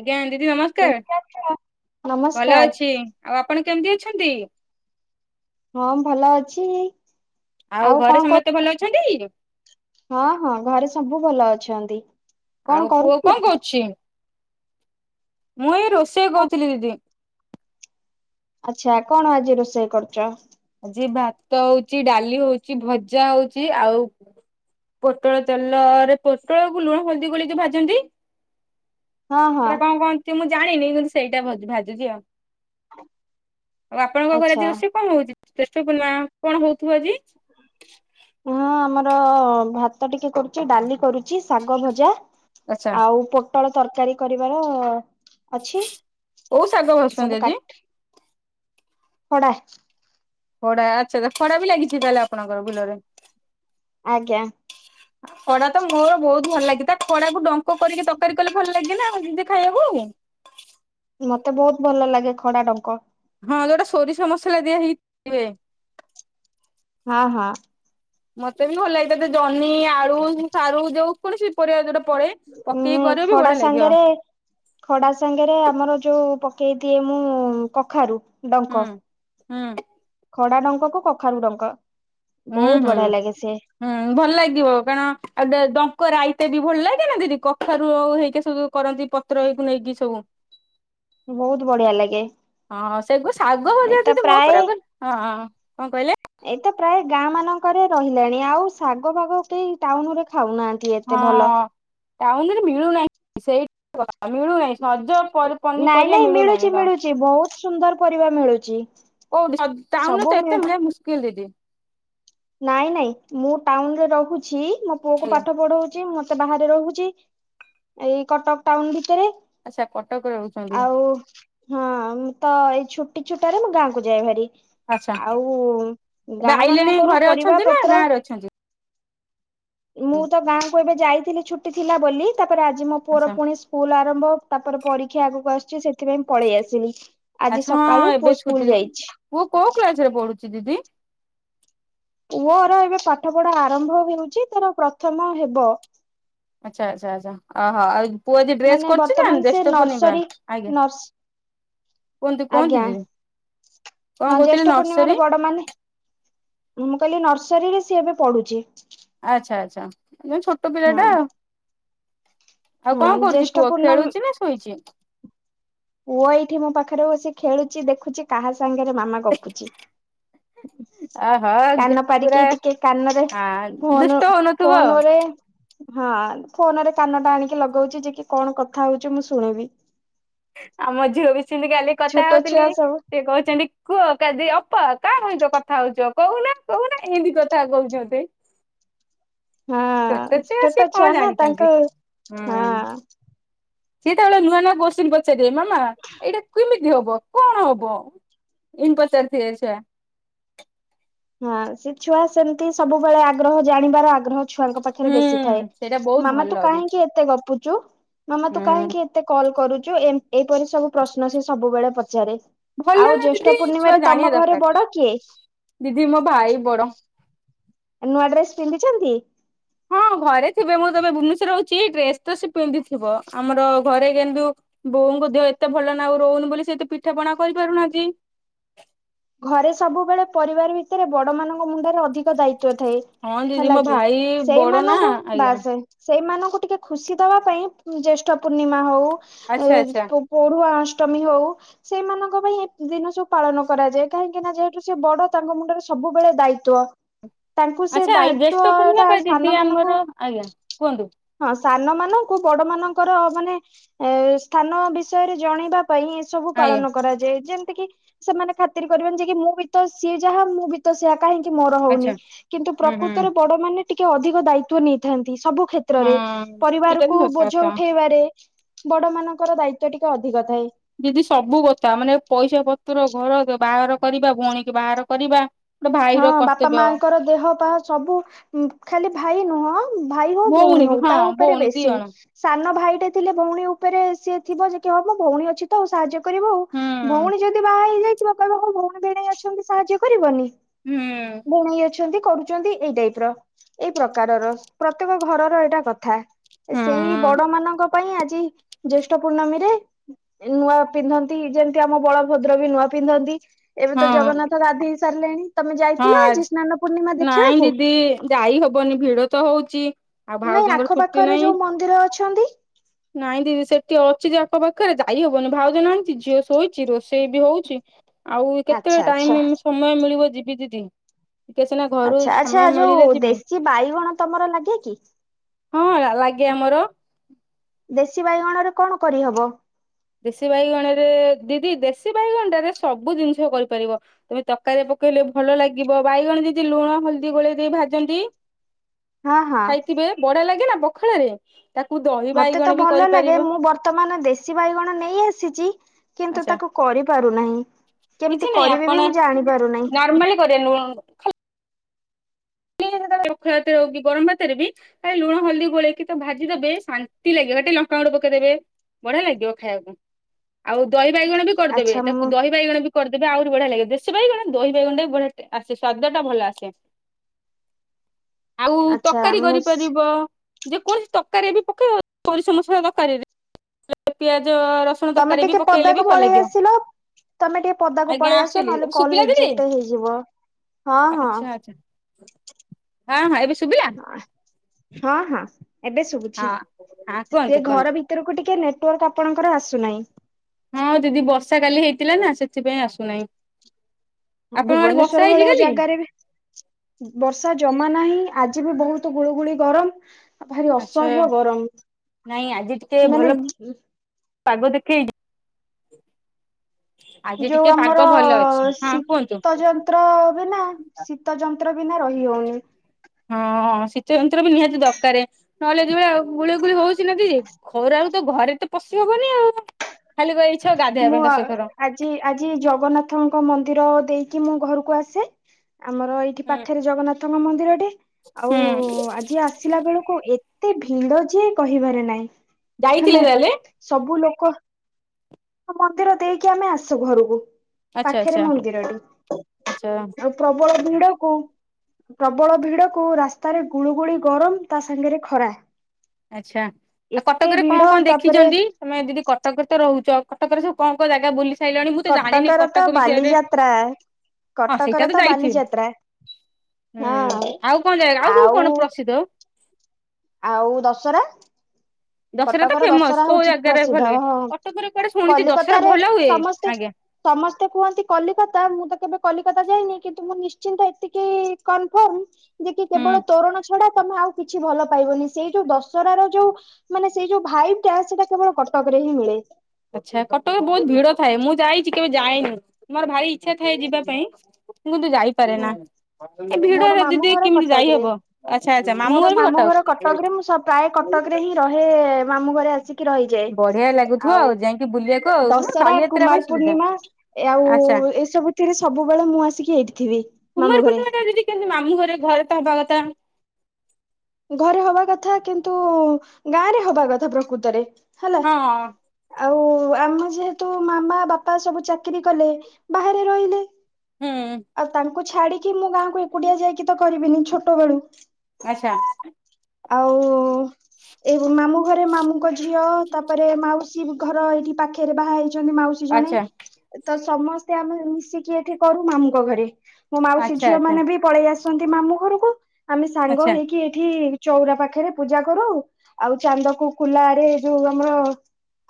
ଆଜ୍ଞା ଦିଦି ନମସ୍କାର କେମିତି ଅଛ? ଭଲ ନମସ୍କାର ଅଛି ଆଉ ଆପ ଆପଣ କେମିତି ଅଛନ୍ତି? ହଁ ଭଲ ଅଛି ଆଉ ଘରେ କଣ ସମସ୍ତେ ଭଲ କରୁ ଅଛନ୍ତି ହଁ ହଁ ଘରେ ସବୁ ଭଲ ଅଛନ୍ତି। କଣ ଆଉ ପୁଅ କରୁଥିଲ? କଣ କରୁଛି? ମୁଁ ଏଇ ରୋଷେଇ କହୁଥିଲି ଦିଦି। ଆଚ୍ଛା କଣ ଆଜି ରୋଷେଇ କରୁଛ? ଆଜି ଭାତ ହଉଚି ଡାଲି ହଉଚି ଭଜା ହଉଛି ଆଉ ପୋଟଳ ତେଲରେ ପୋଟଳ କୁ ଲୁଣ ହଳଦୀ ଗୋଲେଇକି ଯଉ ଭାଜନ୍ତି। ହଁ ହଁ ସେଇଟା କଣ କହନ୍ତି ମୁଁ ଜାଣିନି କିନ୍ତୁ ସେଇଟା ଭାଜୁଛି ଆଉ। ଆଉ ଆପଣଙ୍କ ଘରେ ଆଚ୍ଛା ଯିବ ସେ କଣ ହଉଛି। [inaudible] କଣ ହଉଥିବ ଆଜି ଅହ ଭାତ ଟିକେ କରୁଛି ଡାଲି କରୁଛି ଶାଗ ଭଜା ଆଚ୍ଛା ଆଉ ପୋ ଟଳ ତରକାରୀ କରିବାର। ଅଛି କୋଉ ଶାଗ ଭାଜୁଛନ୍ତି ସବୁ ଆଜି? କାଟ କଡା, ଖଡା ଆଚ୍ଛା ଖଡା ବି ଲାଗିଛି ତାହେଲେ ଆପଣଙ୍କର ବିଲରେ? ଆଜ୍ଞା। ଖଡା ତ ମୋର ବହୁତ ଭଲ ଲାଗେ ତା ଖଡାକୁ ଡଙ୍କ କରିକି ତରକାରୀ କଲେ ଭଲ ଲାଗେ ନା ଯଦି ଖାଇବାକୁୁ। ମତେ ବହୁତ ଭଲ ଲାଗେ ଖଡା ଡଙ୍କ ହଁ ଯୋଉଟା ସୋରିଷ ମସଲା ଦିଆ ହେଇଥିବେ। ହଁ ହଁ। ମତେ ବି ଭଲ ଲାଗିଥାଏ। ଜହ୍ନି ଆଳୁ ସାରୁ ଯୋଉ କୌଣସି ପରିବା ଯୋଉଟା ପଡେ ପକେଇକି ଉଁ କରିବ ବି ଖଡା ବଢିଆ ଲାଗିବ ସାଙ୍ଗରେ ଖଡା ସାଙ୍ଗରେ ଆମର ଯୋଉ ପ କେଇ ଦିଏ ମୁଁ କଖାରୁ ହୁଁ ଡଙ୍କ। ହୁଁ। ଖଡା ଡଙ୍କ କୁ କଖାରୁ ଡଙ୍କ। ହୁଁ ବହୁତ ହୁଁ ବଢିଆ ଲାଗେ ସେ ହୁଁ ଭଲ ଲାଗିବ। କାରଣ ଆଡେ ଡ କ ରାଇତା ବି ଭଲ ଲାଗେନା ଦିଦି କଖାରୁ ହେଇକି ସବୁ କରନ୍ତି ପତ୍ରକୁ ନେଇକି ସବୁ। ବହୁତ ବଢିଆ ଲାଗେ। ହଁ ସେଗୁ ଶାଗ ଭଜା ଏଇଟା ଜଦି ମୋ ପ୍ରାୟ ଉପରକୁ ହଁ ହଁ ହଁ କଣ କହିଲେ? ଏଇଟା ପ୍ରାୟ ଗାଁ ମାନଙ୍କରେ ରହିଲାଣି। ଆଉ ଶାଗ ଭାଗ କେହି ଟାଉନ ରେ ଖାଉନାହା ହଁ ଟାଉନରେ ମିଳୁନାହିଁ ସେଇ ମିଳୁନାହିଁ ସଜ ପରି ନାଇଁ ପନିପରିବା ନାଇଁ ମିଳୁଛି ମିଳୁନାହିଁ ତ। ମିଳୁଛି ବହୁତ ସୁନ୍ଦର ପରିବା ମିଳୁଛି କଉଠି ସଜ ଟାଉନରେ ସବୁ ତ ମିଳୁ ଏତେ ମିଳିଆ ମୁସ୍କିଲ ଦିଦି। ନାଇଁ ନାଇଁ ମୁଁ ଟାଉନରେ ରହୁଛି। ମୋ ପୁଅ କୁ ଆଜ୍ଞା ପାଠ ପଢଉଚି। ମୁଁ ବାହାରେ ରହୁଚି। ଏଇ କଟକ ଟାଉନ ଭିତରେ। ଆଚ୍ଛା କଟକରେ ରହୁଛନ୍ତି ଆଉ ହଁ ମୁ ତ ଏଇ ଛୁ ଛୁଟି ଛୁଟା ରେ ମୁଁ ଗାଁକୁ ଯାଏ ଭାରି। ଆଚ୍ଛା ଆଉ ଏବେ ଗାଁ ଆଇଲେଣି ମାନଙ୍କରୁ ଘରେ ପରିବା ଅଛନ୍ତି ନା ଗାଁ ପତ୍ର ରେ ଅଛନ୍ତି। ମୁଁ ତ ଗାଁକୁ ଏବେ ଯାଇଥିଲି ଛୁଟି ଥିଲା ବୋଲି। ତାପରେ ଆଜି ମୋ ପୁଅର ଆଚ୍ଛା ପୁଣି ସ୍କୁଲ ଆରମ୍ଭ ତାପରେ ପରୀକ୍ଷା ଆଗକୁ ଆସୁଚି। ସେଥିପାଇଁ ପଳେଇ ଆସିଲି। ଆଜି ଆଚ୍ଛା ସକାଳୁ ହଁ ପୁଅ ଏବେ ସ୍କୁଲ ଛୁଟି ଯାଇଛି ପୁଅ କୋଉ କ୍ଲାସ ରେ ପଢୁଛି ଦିଦି? ପୁଅର ଏବେ ପାଠ ପଢା ଆରମ୍ଭ ହେଉଛି ତାର ପ୍ରଥମ ହେବ। ଆଚ୍ଛା ଆଚ୍ଛା ଆଛା ଅ ହ ଆଉ ପୁଅ ଆଜି ଡ୍ରେସ ମାନେ କରୁଛି ନା ବର୍ତ୍ତମାନ ସେ ଜେଷ୍ଠ ପୁନି ଭା ନର୍ସରୀ ଆଜ୍ଞା। ନର୍ସ କୁହନ୍ତୁ ଆଜ୍ଞା କୁହନ୍ତୁ ଯେ? ହଁ ଜ୍ୟେଷ୍ଠ ପୂର୍ଣ୍ଣିମାରେ ବଡ ମାନେ ମୁଁ କହିଲି ନର୍ସିଂ ଶରୀରେ ସିଏ ଏବେ ପଢୁଚି। ମୁଁ ଛୋଟ ପିଲା ହଁ ଟା। ଆଉ ହଁ କଣ କରୁଚି ଜ୍ୟେଷ୍ଠ ପୁଅ ପୂର୍ଣ୍ଣମୀ ଖେଳୁଛି ନା ଶୋଇଚି? ପୁଅ ଏଇଠି ମୋ ପାଖରେ ବସି ଖେଳୁଚି ଦେଖୁଚି କାହା ସାଙ୍ଗରେ ମାମା ଗପୁଚି। ହ ହୁଁ। ଅହୋ ଆଗ ପୁରା ଟିକେ କାନରେ ହଁ ଫୋନ ଦୁଷ୍ଟ ହଉନଥିବ। ଫୋନରେ ହଁ ଫୋନରେ କାନ ଟା ଆଣିକି ଲଗଉଚି। ଯେ କି କଣ କଥା ହଉଚୁ ମୁଁ ଶୁଣୁବି। ଆମ ଝିଅ ବି ସେମିତି କାଲି କଥା ହଉଥିଲି। ଛୁଆ ସବୁ ସେ କହୁଛନ୍ତି କୁହ ଦି ଅପା କା ସହିତ କଥା ହଉଚ। କହୁନା କହୁନା ଏମିତି କଥା କହୁଛନ୍ତି। ଛୋଟ ହଁ ଛୁଆ ସେ କଣ ନା ଜାଣିଚନ୍ତି ତାଙ୍କ ହୁଁ। ହଁ ସିଏ ଯେତେବେଳେ ନୂଆ ନୂଆ କୋଶ୍ଚିନ ପଚାରିବେ। ମାମା ଏଇଟା କୁମି ହବ କଣ ହବ ଇନି ପଚାରୁ ଥିବେ ଛୁଆ। ହଁ ସେ ଛୁଆ ସେମିତି ସବୁବେଳେ ଆଗ୍ରହ ଜାଣିବାର ଆଗ୍ରହ ଛୁଆଙ୍କ ପାଖରେ ହୁଁ ବେଶୀ ଥାଏ। ସେଇଟା ବହୁତ ମାମା ତୁ ଭଲ ବି କାହିଁକି ଏତେ ଗପୁଚୁ। ମାମା ତୁ ହୁଁ କାହିଁକି ଏତେ କଲ୍ କରୁଚୁ। ଏଁ ଏଇପରି ସବୁ ପ୍ରଶ୍ନ ସେ ସବୁବେଳେ ପଚାରେ। ଭଲ ଆଉ ନା ଦିଦି ଜ୍ୟେଷ୍ଠ ଛୁଆ ପୂର୍ଣ୍ଣିମାରେ ଜାଣିବା ତମ ଘରେ ଦରକାର ବଡ କିଏ? ଦିଦି ମୋ ଭାଇ ବଡ଼। ନୂଆ ଡ୍ରେସ ପିନ୍ଧିଛନ୍ତି। ହଁ ଘରେ ଥିବେ ମୁଁ ତ ଏବେ ଭୁବନେଶ୍ଵର ଅଛି। ଡ୍ରେସ ତ ସେ ପିନ୍ଧି ଥିବ। ଆମର ଘରେ କିନ୍ତୁ ବୋଉଙ୍କ ଦେହ ଏତେ ଭଲ ନାହିଁ। ଆଉ ରହୁନି ବୋଲି ସେତ ପିଠା ପଣା କରିପାରୁନାହାଁନ୍ତି। ଘରେ ସବୁବେଳେ ପରିବାର ଭିତରେ ବଡ ମାନଙ୍କ ମୁଣ୍ଡରେ ଅଧିକ ଦାୟି ତ୍ବ ଥାଏ। ହଁ ଦିଦି ହେଲା ମୋ କି ଭାଇ ବଡ ନା ସେଇମାନଙ୍କୁ ଆଜ୍ଞା ବାସେ ସେଇମାନଙ୍କୁ ଟିକେ ଖୁସି ଦବା ପାଇଁ ଜ୍ୟେଷ୍ଠ ପୂର୍ଣ୍ଣିମା ହଉ ଆଚ୍ଛା ଆଚ୍ଛା ଉ ପଢୁଆ ଅସ ଅଷ୍ଟମୀ ହଉ ସେମାନଙ୍କ ପାଇଁ ଏ ଦିନ ସବୁ ପାଳନ କରାଯାଏ। କାହିଁକି ନା ଯେହେତୁ ସେ ବଡ ତାଙ୍କ ମୁଣ୍ଡରେ ସବୁବେଳେ ଦାୟିତୂ। ତାଙ୍କୁ ସେ ଆଚ୍ଛା ଜ୍ୟେଷ୍ଠ ପୂର୍ଣ୍ଣିମା ଦାୟିତ୍ଵଟା ପା ଦିଦି ସାନ ଆମର ମାନଙ୍କୁ ଆଜ୍ଞା। କୁହନ୍ତୁ ହଁ ସାନ ମାନଙ୍କୁ ବଡ ମାନଙ୍କର ମାନେ ଏ ସ୍ଥାନ ବିଷୟରେ ଜଣେଇବା ପାଇଁ ଏ ସବୁ ଆଜ୍ଞା ପାଳନ କରାଯାଏ ଯେମତି କି ସେମାନେ ଖ ର କରିବେନ ଯେ କି ମୁଁ ବି ତ ସିଏ ଯାହା ମୁଁ ବି ତ ସିଆ। କାହିଁକି ମୋର ଆଚ୍ଛା ହଉନି କିନ୍ତୁ ହୁଁ ହୁଁ ପ୍ରକୃତରେ ବଡ ମାନେ ଟିକେ ଅଧିକ ଦାୟିତ୍ବ ନେଇଥାନ୍ତି। ସବୁ ହଁ କ୍ଷେତ୍ରରେ ଏଇଟା ବି ପରିବାରକୁ ସତ ବୋଝ କଥା। ଉଠେଇବାରେ ବଡ ମାନଙ୍କର ଦାୟିତ୍ବ ଟିକେ ଅଧିକ ଥାଏ। ଦିଦି ସବୁ କଥା ମାନେ ପଇସା ପତ୍ର ଘର ବାହାଘର କରିବା ଭଉଣୀ କି ବାହାର କରିବା ଗୋଟେ ହଁ ଭାଇର ବାପା କର୍ତ୍ତବ୍ୟ ମାଙ୍କର ଦେହ ପାହା ସବୁ ଖାଲି ଭାଇ ନୁହଁ ଭାଇ ହଉ ଭଉଣୀ ବି ହଉ ହଁ ତା ଉପରେ ଭଉଣୀ ଦି ବେଶୀ ଜଣ ସାନ ଭାଇ ଗୋଟେ ଥିଲେ ଭଉଣୀ ଉପରେ ସିଏ ଥିବ ଯେ କି ହ ମୋ ଭଉଣୀ ଅଛି ତ ଆ ସାହାଯ୍ୟ କରିବ ଆଉ ହୁଁ ଭଉଣୀ ଯଦି ବାହା ହେଇଯାଇଥିବ କହିବ ହୋଉ ଭଉଣୀ ଭଣେଇ ଅଛନ୍ତି ସାହାଯ୍ୟ କରିବନି। ହୁଁ। ବୁଣେଇ ଅଛନ୍ତି କରୁ ଛନ୍ତି ଏଇ ଟାଇପ ର ଏଇ ପ୍ରକାରର ପ୍ରତ୍ୟେକ ଘରର ଏଇଟା କଥା। ସେଇ ହଁ। ବଡ ମାନଙ୍କ ପାଇଁ ଆଜି ଜ୍ୟେଷ୍ଠ ପୂର୍ଣ୍ଣମୀରେ ନୂଆ ପିନ୍ଧନ୍ତି ଯେମିତି ଆମ ବଳଭଦ୍ର ବି ନୂଆ ପିନ୍ଧନ୍ତି ଏବେ ହଁ ତ ଜଗନ୍ନାଥ ଗାଧେଇ ହେଇ ସାରିଲେଣି। ତମେ ଯାଇଥିଲ ଆଜି ସ୍ନାନ ପୂର୍ଣ୍ଣିମା ନାଇଁ ଦେଖିବାକୁ। ଦିଦି ଯାଇ ହବନି ଭିଡ ତ ହଉଛି ଆଉ ନାଇଁ ଭାଉଜଙ୍କର ଛୁଟି ଆଖପାଖରେ ନାହିଁ ଯୋଉ ମନ୍ଦିର ଅଛନ୍ତି। ନାଇଁ ଦିଦି ସେଠି ଅଛି ଯେ ଆଙ୍କ ପାଖରେ ଦାୟୀ ହବନି ଭାଉଜ ନାହାନ୍ତି ଝିଅ ଶୋଇଛି ରୋଷେଇ ବି ହଉଛି ଆଉ କେତେ ଆଚ୍ଛା ଆଚ୍ଛା ଟାଇମ ସମୟ ମିଳିବ ଯିବି ଦିଦି। ଟିକେ ସିନା ଘରୁ ଆଚ୍ଛା ଆଛା ସମୟ ଯୋଉ ମିଳିଲେ ଯିବି ଦେଶୀ ବାଇଗଣ ତମର ଲାଗେ କି? ହଁ ଲାଗେ ଆମର। ଦେଶୀ ବାଇଗଣ ରେ କଣ କରିହବ? ଦେଶୀ ବାଇଗଣରେ ଦିଦି ଦେଶୀ ବାଇଗଣାରେ ସବୁ ଜିନିଷ କହିପାରିବ ତମେ ତରକାରୀ ପ ପକେଇଲେ ଭଲ ଲାଗିବ ବାଇଗଣ ଦିଦି ଲୁଣ ହଳଦୀ ଗୋଳେଇ ଦେଇ ଭାଜନ୍ତି। ହଁ ହଁ ଖାଇଥିବେ ବଢିଆ ଲାଗେ ନା ପଖାଳରେ। ତାକୁ ଦହି ମତେ ବାଇଗଣ ତ ବି ଭଲ ଲାଗେ କରିପାରିବ ମୁଁ ବର୍ତ୍ତମାନ ଦେଶୀ ବାଇଗଣ ନେଇ ଆସିଛି। କିନ୍ତୁ ଆଚ୍ଛା। ତାକୁ କରିପାରୁନାହିଁ। କିଛି କେମିତି ନାହିଁ କରିବେ ଆପଣ ବି ମୁଁ ଜାଣି ପାରୁନାହିଁ। ନର୍ମାଲି କରିବା ର ଗରମ ଭାତରେ ବି ଖାଲି ଲୁଣ ହଳଦୀ ଗୋଳେଇକି ତ ଭାଜିଦେବେ ଶାନ୍ତି ଲାଗେ ଟଙ୍କା ଗୁଡ ପକେଇଦବେ ବଢିଆ ଲାଗିବ ଖାଇବାକୁ। ଆଉ ଦହି ବାଇଗଣ ବି କରିଦେବେ ଆଚ୍ଛା ତାକୁ ମୁଁ ଦହି ବାଇଗଣ ବି କରି ବେ ଆହୁରି ବଢିଆ ଲାଗେ ଦେଶୀ ବାଇଗଣ ଦହି ବଗୁଣ୍ଡା ବି ବଢିଆ ଆସେ ସ୍ଵାଦ ଟା ଭଲ ଆସେ। ଆଉ ଆଚ୍ଛା ତରକାରୀ ମୁଁ କରିପାରିବ। ଯେକୌଣସି ତରକାରୀରେ ବି ପକେଇବ ସୋରିଷ ମସଲା ତରକାରୀରେ ପି ଉ ରସୁଣ ତମେ ତରକାରୀ ବି ଟିକେ ପକେଇଲେ ପଦାକୁ ବି ଭଲ ପଳେଇ ଲାଗିବ। ଆସିଲ। ତମେ ଟିକେ ପଦାକୁ ଆଜ୍ଞା ପଳେଇ ଆସ ଆସିଲି ନହେଲେ ଏବେ କଲ ଶୁଭିଲା ଦିଦି? ରିଜେକ୍ଟ ହେଇଯିବ ହଁ ହଁ। ଆଚ୍ଛା ଆଚ୍ଛା। ହଁ ହଁ ଏବେ ଶୁଭିଲା? ହ ହଁ ହଁ। ଏବେ ଶୁଭୁଛି ହଁ ହଁ ସେ କୁହନ୍ତୁ କୁହନ୍ତୁ। ଘର ଭିତରକୁ ଟିକେ ନେଟୱାର୍କ ଆପଣଙ୍କର ଆସୁନାହିଁ। ହଁ ଦିଦି ବର୍ଷା କାଲି ହେଇଥିଲା ନା ସେଥିପାଇଁ ଆସୁନାହିଁ। ଆପଣଙ୍କ ଆଡେ ବର୍ଷା ଭୁବନେଶ୍ଵର ହେଇଛି ଭଳିଆ କାଲି? ଜାଗାରେ ବି ବର୍ଷା ଜମା ନାହିଁ। ଆଜି ବି ବହୁତ ଗୁଳୁଗୁଳି ଗରମ। ଭାରି ଆଚ୍ଛା ଅସହ୍ୟ ନାଇଁ ଆଜି ଟିକେ ଗରମ ମାନେ ଭଲ ପାଗ ଦେଖେଇ ଯୋଉ ଆମର ହଁ କୁହନ୍ତୁ। ଶୀତ ଯନ୍ତ୍ର ହବେ ନା ଶୀତ ଯନ୍ତ୍ର ବିନା ରହି ହଉନି। ହଁ ଶୀତ ଯନ୍ତ୍ର ବି ନିହାତି ଦରକାର, ନହେଲେ ଯେଭଳିଆ ଆଉ। ଗୁଳି ଗୁଳି ହଉଛିନାହାନ୍ତି ଘୋର [unintelligible] ଆରୁ ତ ଘରେ ତ ପଶି ହବନି ଆଉ, ଖାଲି କହି। ମୁଁ ଆଜି ଆଜି ଜଗନ୍ନାଥଙ୍କ ମନ୍ଦିର ମନ୍ଦିର ଦେଇକି ମୁଁ ଘରକୁ ଆସେ। ଆମର ଏଇଠି ପାଖରେ ଜଗନ୍ନାଥଙ୍କ ମନ୍ଦିରଟେ, ଆଉ ହୁଁ ଆଜି ଆସିଲା ବେଳକୁ ଏତେ ଭିଡ ଯେ କହିବାରେ ନାଇଁ, ଯାଇଥିଲେ ହେଲା ତାହେଲେ ସବୁ ଲୋକ ମନ୍ଦିର ଦେଇକି ଆମେ ଆସୁ ଘରକୁ। ଆଚ୍ଛା ପାଖରେ ଆଚ୍ଛା ମନ୍ଦିରଟି, ଆଚ୍ଛା। ଆଉ ପ୍ରବଳ ଭିଡ। ପ୍ରବଳ ଭିଡ କୁ, ରାସ୍ତାରେ ଗୁଳୁଗୁଳି ଗରମ ତା ସାଙ୍ଗରେ ଖରା। ଆଚ୍ଛା ଆଉ ଏତେ କଟକରେ ଭିଡ କଣ କଣ ତାପରେ ଦେଖିଛନ୍ତି, ତମେ ଦିଦି କଟକରେ ତ ରହୁଛ। କଟକରେ ସବ କଣ କଣ ଜାଗା ବୁଲି ସାଇିଲଣି, ମୁଁ ତ ଜାଣିନି କଟକର ତ କଟକ ବିଷୟରେ, ବାଲିଯାତ୍ରା। ହଁ କଟକର ସେଇଟା ତ ଯାଇଥିବ। ବାଲିଯାତ୍ରା ହୁଁ, ହଁ ଆଉ କଣ ଜାଗା, ଆଉ ସବୁ କଣ ପ୍ରସିଦ୍ଧ। ଆଉ ଦଶହରା। ଦଶହରା ତ କଟକର ଫେମସ ଦଶହରା କୋଉ ହଉଛି ଜାଗାରେ ଭଲ ପ୍ରସିଦ୍ଧ, ହୁଏ କଟକରେ କୁଆଡେ ହଁ ଶୁଣିଛି ଦଶହରା କଲିକତାରେ ଭଲ ହୁଏ? ସମସ୍ତେ ଆଜ୍ଞା ସମସ୍ତେ କୁହନ୍ତି କଲିକତା, ମୁଁ ତ କେବେ କଲିକତା ଯାଇନି କିନ୍ତୁ ମୁଁ ନିଶ୍ଚିତ ଏତିକି କନଫ୍ର୍ମ ଯେ- କି ହୁଁ କେବଳ ତୋରଣ ଡା ତମେ ଆଉ କିଛି ଭଲ ପାଇବନି ସେଇ ଯୋଉ ଦଶହର ର ଯୋଉ ମାନେ, ସେଇ ଯୋଉ ଭାଇ ଟା ସେଇଟା କେବଳ କଟକ ରେ ହିଁ ମିଳେ। ଆଚ୍ଛା, କଟକରେ ବହୁତ ଭିଡ ଥାଏ, ମୁଁ ଯାଇଛି କେବେ ଯାଏନି ମୋର ଭାରି ଇ ଇଛା ଥାଏ ଯିବା ପାଇଁ, ମୁଁ କିନ୍ତୁ ଯାଇପାରେ ହୁଁ ନା ଏ ମୋର ଭିଡରେ ମାମୁଁ ଦିଦି ଘର କେମିତି କଟକରେ ଯାଇହବ, ଆଛା ଆଛା, ମାମୁଁ ମୋର ଘର ବି କଟକରେ ମୁଁ ପ୍ରାୟ କଟା କଟକରେ ହିଁ ରହେ, ମାମୁ ଘରେ ଆସ ରହିଯାଏ, ବଢିଆ ଲାଗୁଥିବ ଆଉ ଯାଇକି ବୁଲିବାକୁ ଆଉ ଦଶହରା, ବାଲିଯାତ୍ରା ପାଇଁ କୁମାର ସୁବିଧା। ପୂର୍ଣ୍ଣିମା ଆଉ ଆଚ୍ଛା ଏସବୁ ରେ ସବୁବେଳେ ମୁଁ ଆସିକି ଏଇଠି ଥିବି, ମାମୁ ଘରେ କେମତି ମାମୁଁ ଘରେ, ଘରେ ତ ହେବା କଥା ଘରେ ହବା କଥା କିନ୍ତୁ ଗାଁରେ ହବା କଥା ପ୍ରକୃତରେ ହେଲା ହଁ। ଆଉ ଆମ ଯେହେତୁ ମାମା, ବାପା ସବୁ ଚାକିରି କଲେ ବାହାରେ ରହିଲେ ହୁଁ ଆଉ ତାଙ୍କୁ ଛାଡିକି ମୁଁ ଗାଁକୁ ଏକୁଟିଆ ଯାଇକି ତ କରିବିନି ଛୋଟ ବେଳୁ ଆଛା। ଆଉ ଏଇ ମାମୁଁ ଘରେ ମାମୁଙ୍କ ଝିଅ, ତାପରେ ମାଉସୀ ଘର ଏଇଠି ପାଖରେ ବାହା ହେଇଛନ୍ତି, ମାଉସୀ ଜଣେ ଆଚ୍ଛା ତ ସମସ୍ତେ ଆମେ ମିଶିକି ଏଠି କରୁ ମାମୁଙ୍କ ଘରେ, ମୋ ମାଉ ସେ ଆଚ୍ଛା ଝିଅ ଆଚ୍ଛା ମାନେ ବି ପଳେଇ ଆସ ମାମୁଁ ଘରକୁ, ଆମେ ସାଙ୍ଗ ଆଚ୍ଛା ହେଇକି ଏଠି ଚଉରା ପାଖରେ ପୂଜା କରୁ, ଆଉ ଚାନ୍ଦ କୁ କୁଲାରେ, ଯୋଉ ଆମର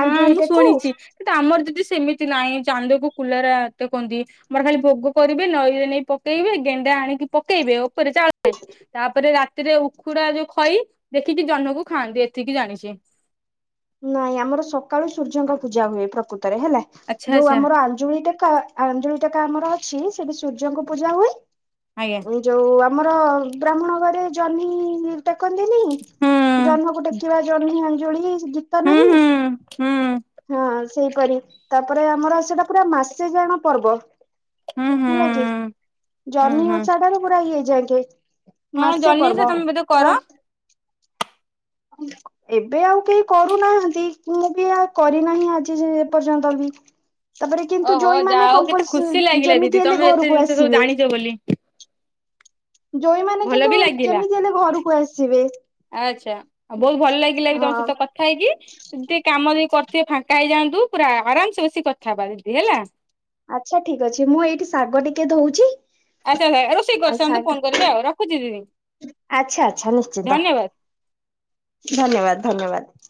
ହଁ ଆଞ୍ଜୁଳି ମୁଁ ଟେକୁ ଶୁଣିଛି କିନ୍ତୁ ଆମର ଯଦି ସେମିତି ନାହିଁ। ଚାନ୍ଦକୁ କୁଲରା କୁହନ୍ତି, ମୋର ଖାଲି ଭୋଗ କରିବେ, ନଈରେ ନେଇ ପକେଇବେ, ଗେଣ୍ଡା ଆଣିକି ପକେଇବେ ଆଉ ଚାଳ, ତାପରେ ରା ସେଥିରେ ଉକୁଡା ଯୋଉ ଖଇ ଦେଖିକି ଜହ୍ନକୁ ଖାଆନ୍ତି ଏତିକି ଜାଣିଛି ନାଇଁ ଆମର ସକାଳୁ ସୂର୍ଯ୍ୟଙ୍କ ପୂଜା ହୁଏ, ପ୍ରକୃତି ରେ ହେଲା, ଆଚ୍ଛା ଯୋଉ ଆଚ୍ଛା ଆମର ଆଞ୍ଜୁଳି ଟକା ଆଞ୍ଜୁଳି ଟେକା ଆମର ଅଛି ସେଠି ସୂର୍ଯ୍ୟଙ୍କୁ ପୂଜା ହୁଏ, ଆଜ୍ଞା ଯୋଉ ଆମର ବ୍ରାହ୍ମଣ ଘରେ ଜହ୍ନି ଟେକନ୍ତିନି, ହୁଁ ଜହ୍ନକୁ ଟେକିବା ଜହ୍ନି ଅଞ୍ଜୁଳି ତ ହୁଁ ନାହିଁ, ହୁଁ ହୁଁ ହଁ ସେଇପରି, ତାପରେ ଆମର ସେଇଟା ପୁରା ମାସେ ଜାଣ ପର୍ବ ହୁଁ ହୁଁ ହେଲା କି, ହୁଁ ଜହ୍ନି ହୁଁ ଓଷା ଟାରୁ ପୁରା ଇଏ ହେଇଯାଏକେ ହଁ ମାସେ ଜହ୍ନି ଓଷା ପର୍ବ, ତମେ ବୋଧେ କର ତ ଏବେ ଆଉ କେହି କରୁନାହାନ୍ତି ମୁଁ ବି କରିନାହିଁ ଆଜି ଯାଏ ଏପର୍ଯ୍ୟନ୍ତ ବି। ତାପରେ କିନ୍ତୁ ଓହୋ ଜୋଇ ଯା ମାନ ହଉ କେତେ କମ୍ପଲ ଖୁସି ଲାଗିଲା ଦିଦି ଯେମିତି ହେଲେ ତମେ ଏତେ ଘରକୁ ଜିନିଷ ସବୁ ଆସିବେ। ଜାଣିଛ ବୋଲି ଜୋଇ ମାନ ଭଲ କିନ୍ତୁ ବି ଲାଗିଲା। ଯେମିତି ହେଲେ ଘରକୁ ଆସିବେ। ଆଚ୍ଛା ଆଉ ବହୁତ ଭଲ ଲାଗିଲା ବି ତମ ହଁ ସହିତ କଥା ହେଇକି ଟିକେ କାମ ଦେଇ ସେ ଫାଙ୍କା ହେଇଯାଆନ୍ତୁ ପୁରା ଆରାମସ ବସିିକ କଥା ହବା ଦିଦି ହେଲା। ଆଚ୍ଛା ଠିକ ଅଛି ମୁଁ ଏଇଠି ଶାଗ ଟିକେ ଧଉଛି। ଆଚ୍ଛା ରୋଷେଇ କରିଥାନ୍ତୁ ଫୋନ କରିବେ ଆଉ ରଖୁଛି ଦିଦି। ଆଚଛା ଆଚଛା ନିଶ୍ଚିନ୍ତ ଧନ୍ୟବାଦ। ଧନ୍ୟବାଦ ଧନ୍ୟବାଦ।